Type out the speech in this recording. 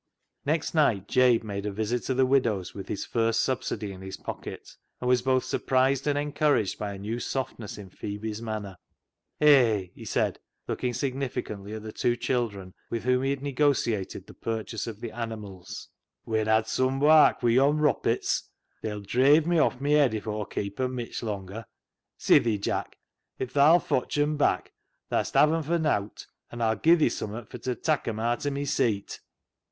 Next night Jabe made a visit to the widow's with his first subsidy in his pocket, and was both surprised and encouraged by a new soft ness in Phebe's manner. " Hay !" he said, looking significantly at the two children with whom he had negotiated the purchase of the animals, " we 'an had sum wark wi' yon roppits. They'll dreive me off mi yed if Aw keep 'em mitch longer. Sithee, Jack ! If tha'll fotch 'em back tha'st have 'em for nowt, an' Aw'll give thi summat fur t' tak' 'em aat o' mi seet."